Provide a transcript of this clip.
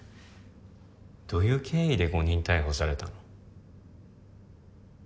どういう経緯で誤認逮捕されたの？